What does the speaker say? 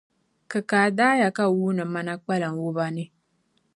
Kikaa daaya ka wuuni mana kpalim wuba ni.